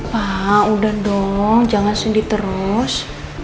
pak udah dong jangan sedih terus